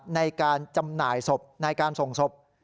ในการจำหน่ายศพในการส่งศพ